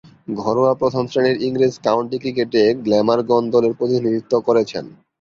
ঘরোয়া প্রথম-শ্রেণীর ইংরেজ কাউন্টি ক্রিকেটে গ্ল্যামারগন দলের প্রতিনিধিত্ব করেছেন।